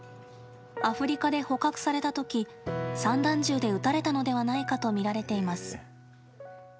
アフリカで捕獲されたとき散弾銃で撃たれたのではないかと見られています。